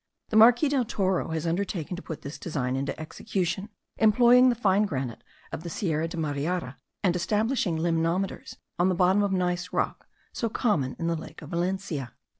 The Marquis del Toro has undertaken to put this design into execution, employing the fine granite of the Sierra de Mariara, and establishing limnometers, on a bottom of gneiss rock, so common in the lake of Valencia.